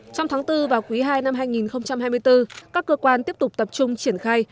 trong tháng bốn và quý ii năm hai nghìn hai mươi bốn các cơ quan tiếp tục tập trung triển khai